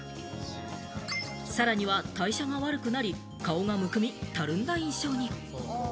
さらには代謝が悪くなり顔がむくみ、たるんだ印象に。